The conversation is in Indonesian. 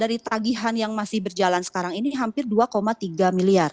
dari tagihan yang masih berjalan sekarang ini hampir dua tiga miliar